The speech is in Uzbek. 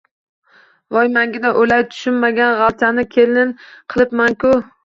Voy mangina o`lay, tushunmagan g`alchani kelin qilibman-ku